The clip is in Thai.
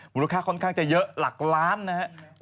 มูลค่าค่อนข้างจะเยอะหลักล้านนะครับ